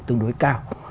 tương đối cao